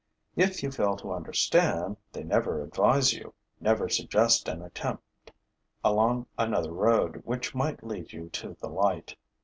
If you fail to understand, they never advise you, never suggest an attempt along another road which might lead you to the light.